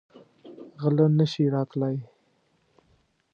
غله نه شي راتلی.